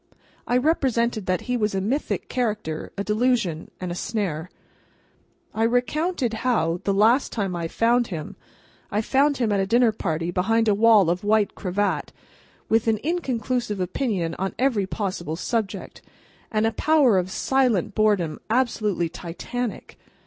I represented that he was a mythic character, a delusion, and a snare. I recounted how, the last time I found him, I found him at a dinner party behind a wall of white cravat, with an inconclusive opinion on every possible subject, and a power of silent boredom absolutely Titanic.